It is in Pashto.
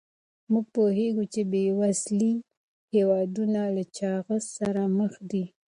موږ پوهیږو چې بې وزلي هېوادونه له چاغښت سره مخ دي.